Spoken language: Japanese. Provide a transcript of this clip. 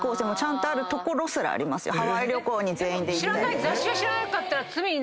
ハワイ旅行に全員で行ったり。